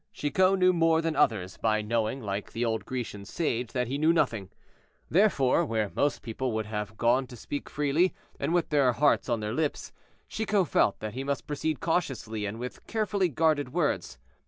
Chicot knew more than others, by knowing, like the old Grecian sage, that he knew nothing. Therefore, where most people would have gone to speak freely, and with their hearts on their lips, Chicot felt that he must proceed cautiously and with carefully guarded words.